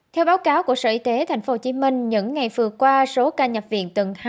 theo báo cáo của sở y tế tp hcm những ngày vừa qua số ca nhập viện tầng hai